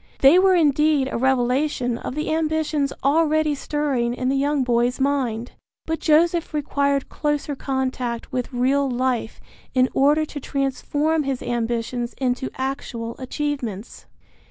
They were indeed a revelation of the ambitions already stirring in the young boy's mind. But Joseph required closer contact with real life in order to transform his ambitions into actual achievements.